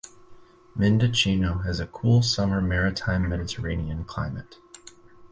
Mendocino has a cool summer Maritime Mediterranean climate.